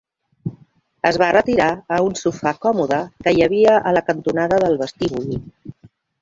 Es va retirar a un sofà còmode que hi havia a la cantonada del vestíbul.